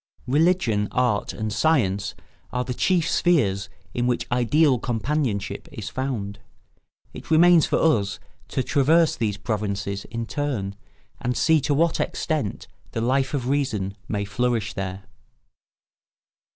Religion, art, and science are the chief spheres in which ideal companionship is found. It remains for us to traverse these provinces in turn and see to what extent the Life of Reason may flourish there.